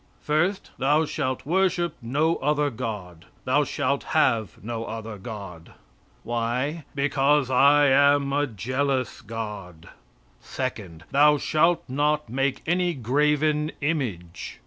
First, "Thou shalt worship no other God; thou shalt have no other God." Why? "Because I am a jealous God." Second, "Thou shalt not make any graven image."